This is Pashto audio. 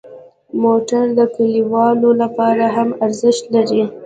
موټر د کلیوالو لپاره هم ارزښت لري.